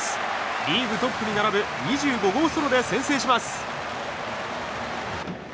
リーグトップに並ぶ２５号ソロで先制します。